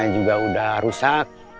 juga udah rusak